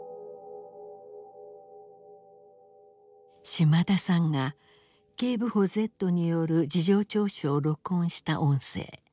島田さんが警部補Ｚによる事情聴取を録音した音声。